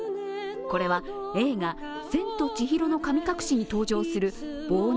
これは、映画「千と千尋の神隠し」に登場する坊